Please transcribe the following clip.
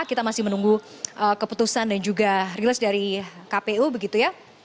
kita masih menunggu keputusan dan juga rilis dari kpu begitu ya